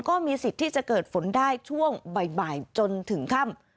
ก็มีสิทธิ์ที่จะเกิดฝนได้ช่วงบ่ายจนถึงค่ำ